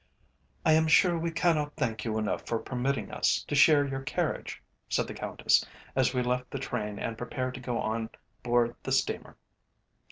"I am sure we cannot thank you enough for permitting us to share your carriage," said the Countess as we left the train and prepared to go on board the steamer.